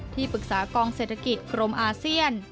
ที่ปรึกษากองเศรษฐกิจกรมอาเซียน